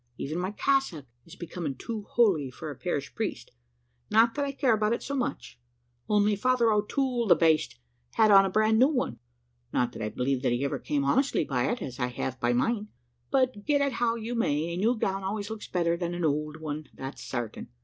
Even my cassock is becoming too holy for a parish priest; not that I care about it so much, only Father O'Toole, the baste! had on a bran new one not that I believe that he ever came honestly by it, as I have by mine but, get it how you may, a new gown always looks better than an ould one, that's certain.